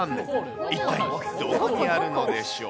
一体どこにあるのでしょう。